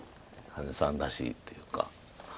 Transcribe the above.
羽根さんらしいっていうか。